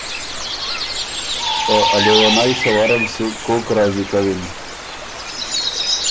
خه ا لېونئ سوَرم سُو کوک راضی کَوِن؟